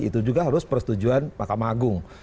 itu juga harus persetujuan mahkamah agung